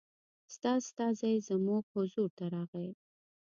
ستا استازی زموږ حضور ته راغی.